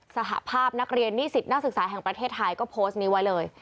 สหภาพนักเรียนนิสิตนักศึกษาแห่งประเทศไทยก็โพสต์นี้ไว้เลย